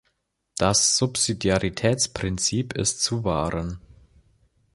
Das Subsidiaritätsprinzip ist zu wahren.